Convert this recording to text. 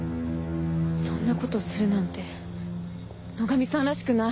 そんなことするなんて野上さんらしくない！